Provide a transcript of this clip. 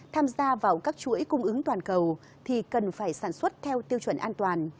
tham gia vào các chuỗi cung ứng toàn cầu thì cần phải sản xuất theo tiêu chuẩn an toàn